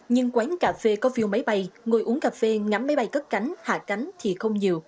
nhưng quán cà phê có view máy bay ngồi uống cà phê ngắm máy bay cất cánh hạ cánh thì không nhiều